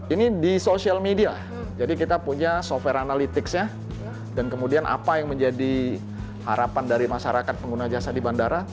ini di social media jadi kita punya software analytics nya dan kemudian apa yang menjadi harapan dari masyarakat pengguna jasa di bandara